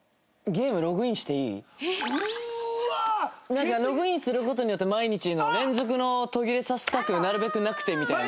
なんかログインする事によって毎日の連続の途切れさせたくなるべくなくてみたいな。